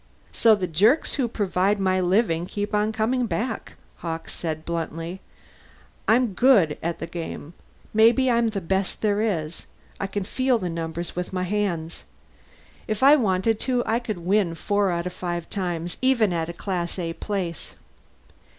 "So the jerks who provide my living keep on coming back," Hawkes said bluntly. "I'm good at that game. Maybe I'm the best there is. I can feel the numbers with my hands. If I wanted to, I could win four out of five times, even at a Class A place."